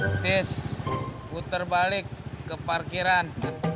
terus puter balik ke parkiran